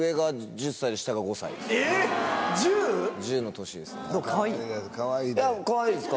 １０？１０の年です。